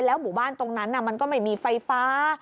หมู่บ้านตรงนั้นมันก็ไม่มีไฟฟ้า